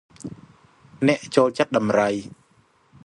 អ្នកចូលចិត្តដំរី ។